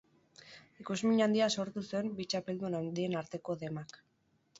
Ikusmin handia sortu zuen bi txapeldun handien arteko demak.